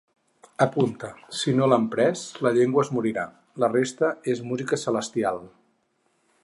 Apunta: si no l'empres, la llengua es morirà. La resta és música celestial.